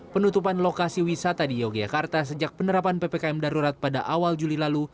penutupan lokasi wisata di yogyakarta sejak penerapan ppkm darurat pada awal juli lalu